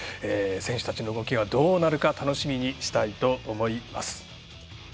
選手たちの動きはどうなるか楽しみにしたいと思います。